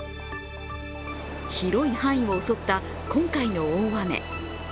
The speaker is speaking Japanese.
広い範囲を襲った今回の大雨。